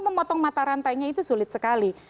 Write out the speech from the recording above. memotong mata rantainya itu sulit sekali